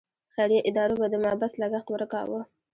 خیریه ادارو به د محبس لګښت ورکاوه.